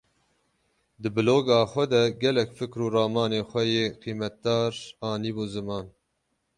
Di bloga xwe de gelek fikr û ramanên xwe yên qîmetdar anîbû ziman.